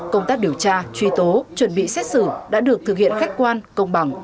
công tác điều tra truy tố chuẩn bị xét xử đã được thực hiện khách quan công bằng